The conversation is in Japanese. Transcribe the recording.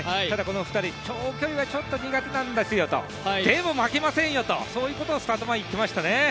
ただこの２人、長距離はちょっと苦手なんですよと、でも負けませんよと、そういうことをスタート前に言ってましたね。